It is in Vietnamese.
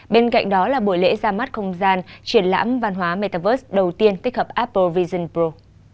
bên cạnh đó là buổi lễ ra mắt không gian triển lãm văn hóa metaverse đầu tiên tích hợp apple vision pro